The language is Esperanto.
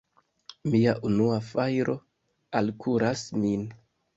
Mia unua fajro alkuras min!